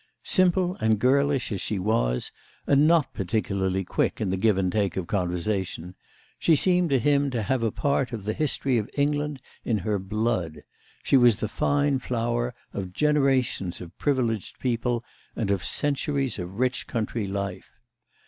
Simple and girlish as she was, and not particularly quick in the give and take of conversation, she seemed to him to have a part of the history of England in her blood; she was the fine flower of generations of privileged people and of centuries of rich country life.